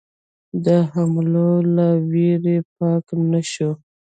د حملو له وېرې پاکه نه شوه.